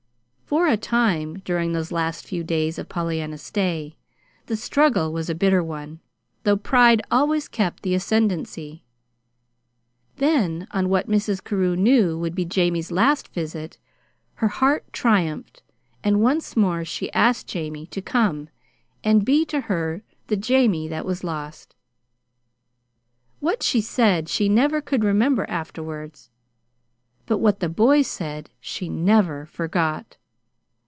For a time, during those last few days of Pollyanna's stay, the struggle was a bitter one, though pride always kept the ascendancy. Then, on what Mrs. Carew knew would be Jamie's last visit, her heart triumphed, and once more she asked Jamie to come and be to her the Jamie that was lost. What she said she never could remember afterwards; but what the boy said, she never forgot.